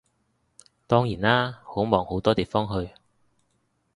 當然啦，好忙好多地方去